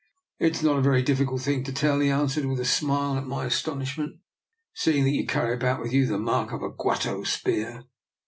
" It is not a very difficult thing to tell," he answered, with a smile at my astonish ment, " seeing that you carry about with you the mark of a Gwato spear.